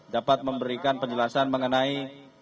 dapat memberikan penjelasan mengenai